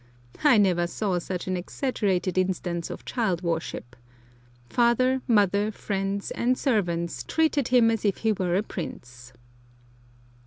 I never saw such an exaggerated instance of child worship. Father, mother, friends, and servants, treated him as if he were a prince.